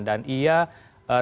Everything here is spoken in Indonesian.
dan ia diberikan penyelesaian